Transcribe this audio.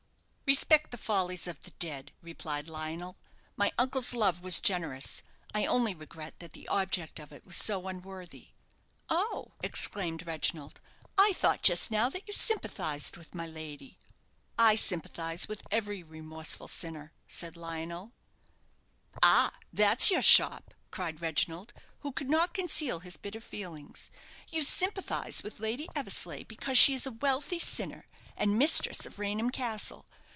"Respect the follies of the dead," replied Lionel. "My uncle's love was generous. I only regret that the object of it was so unworthy." "Oh!" exclaimed Reginald, "I thought just now that you sympathized with my lady." "I sympathize with every remorseful sinner," said Lionel. "Ah, that's your shop!" cried Reginald, who could not conceal his bitter feelings. "You sympathize with Lady Eversleigh because she is a wealthy sinner, and mistress of Raynham Castle.